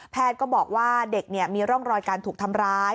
ก็บอกว่าเด็กมีร่องรอยการถูกทำร้าย